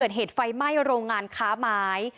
เกิดเหตุไฟไหม้โรงงานค้าไม้